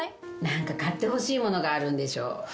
なんか買ってほしいものがあるんでしょう